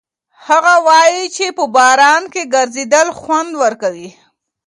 هغه وایي چې په باران کې ګرځېدل خوند ورکوي.